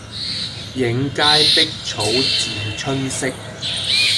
映階碧草自春色